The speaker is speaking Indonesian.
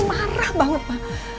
marah banget pa